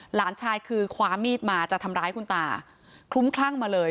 หลานชายคือคว้ามีดมาจะทำร้ายคุณตาคลุ้มคลั่งมาเลย